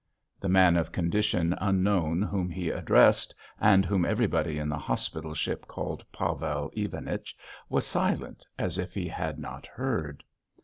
The man of condition unknown whom he addressed, and whom everybody in the hospital ship called Pavel Ivanich, was silent, as if he had not heard.